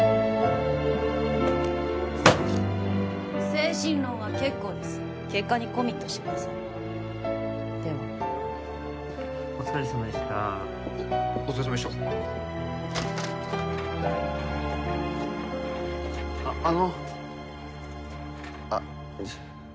精神論は結構です結果にコミットしてくださいではお疲れさまでしたお疲れさまでしたああのあ